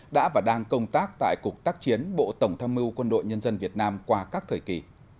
đã và đang công tác tại cục tác chiến bộ tổng tham mưu quân đội nhân dân việt nam qua các thời kỳ